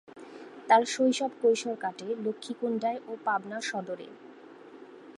তার শৈশব-কৈশোর কাটে লক্ষ্মীকুন্ডায় ও পাবনা সদরে।